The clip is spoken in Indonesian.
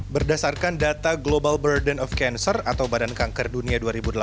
berdasarkan data global burden of cancer atau badan kanker dunia dua ribu delapan belas